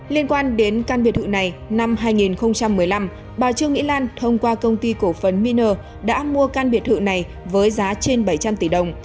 liên quan đến căn biệt thự này năm hai nghìn một mươi năm bà trương mỹ lan thông qua công ty cổ phấn miner đã mua căn biệt thự này với giá trên bảy trăm linh tỷ đồng